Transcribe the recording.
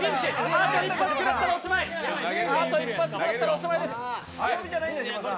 あと一発食らったらおしまいです。